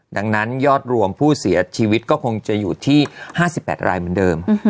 ดังนั้นยอดรวมผู้เสียชีวิตก็คงจะอยู่ที่๕๘รายเหมือนเดิม